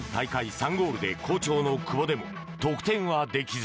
３ゴールで好調の久保でも得点はできず。